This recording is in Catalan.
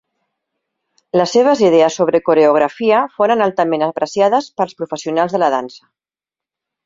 Les seves idees sobre coreografia foren altament apreciades pels professionals de la dansa.